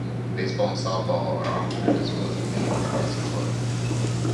Baseball and Softball are offered as well as a new Lacrosse club.